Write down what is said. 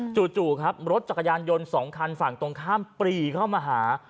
จู่ครับรถจักรยานยนต์๒คันฝั่งตรงข้ามปรีเข้ามาหา